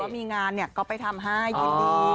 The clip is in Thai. มีงานก็ไปทำให้ยินดี